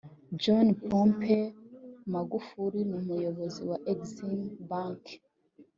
John Pombe Magufuli n’umuyobozi wa Exim Bank